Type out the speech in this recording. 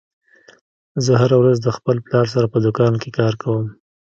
زه هره ورځ د خپل پلار سره په دوکان کې کار کوم